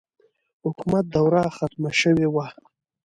حکومت دوره ختمه شوې وه.